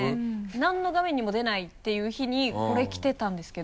なんの画面にも出ないっていう日にこれ着てたんですけど。